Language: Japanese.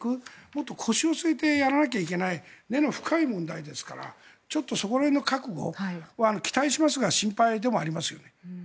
もっと腰を据えてやらなきゃいけない根の深い問題ですからちょっとそこら辺の覚悟は期待しますが心配でもありますよね。